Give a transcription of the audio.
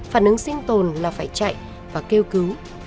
phản ứng sinh tồn là phải chạy và kêu cứu